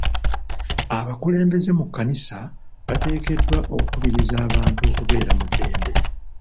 Abakulembeze mu kkanisa bateekeddwa okukubiriza abantu okubeera mu ddembe.